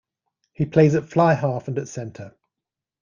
He plays at fly-half and at centre.